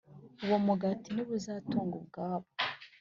uwo mugati ni bo uzatunga ubwabo,